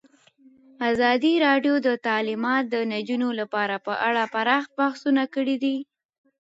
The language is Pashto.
ازادي راډیو د تعلیمات د نجونو لپاره په اړه پراخ بحثونه جوړ کړي.